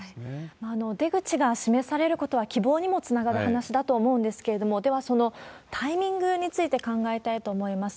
出口が示されることは希望にもつながる話だと思うんですけれども、ではそのタイミングについて考えたいと思います。